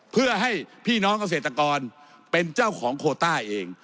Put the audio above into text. เพื่อให้พี่น้องเกษตรกรเป็นเจ้าของโคต้าเอง